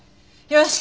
よし！